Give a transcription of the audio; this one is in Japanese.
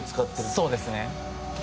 そうですね。